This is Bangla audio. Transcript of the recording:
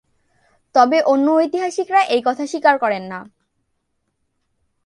তবে অন্য ঐতিহাসিকরা এই কথা স্বীকার করেন না।